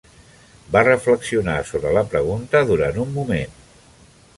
Va reflexionar sobre la pregunta durant un moment.